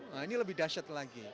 nah ini lebih dahsyat lagi